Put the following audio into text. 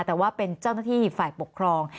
แต่ว่าเป็นเจ้าหน้าที่ฝ่ายปกครอง